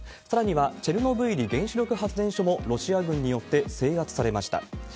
さらには、チェルノブイリ原子力発電所もロシア軍によって制圧されました。